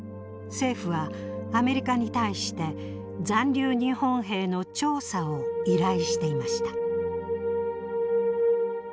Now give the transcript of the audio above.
政府はアメリカに対して残留日本兵の調査を依頼していました。